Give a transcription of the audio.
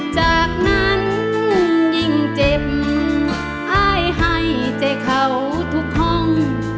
จากนั้นยิ่งเจ็บอ้ายให้ใจเขาทุกห้อง